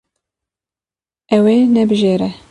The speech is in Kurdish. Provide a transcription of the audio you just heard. Ew ê nebijêre.